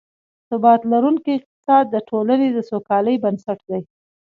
ثبات لرونکی اقتصاد، د ټولنې د سوکالۍ بنسټ دی